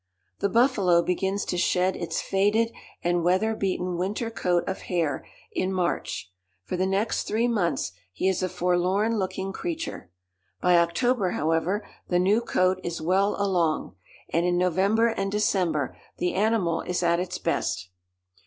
The buffalo begins to shed its faded and weather beaten winter coat of hair in March. For the next three months he is a forlorn looking creature. By October, however, the new coat is well along, and in November and December the animal is at its best.